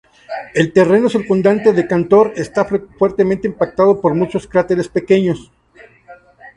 El terreno circundante de Cantor está fuertemente impactado por muchos cráteres pequeños.